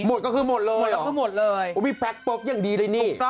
หมดก็คือหมดเลยเหรอว่ามีแป๊กปกอย่างดีเลยเนี่ย